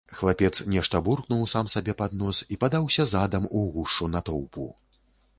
Хлапец нешта буркнуў сам сабе пад нос і падаўся задам у гушчу натоўпу.